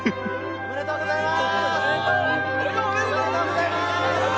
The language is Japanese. ありがとうございます。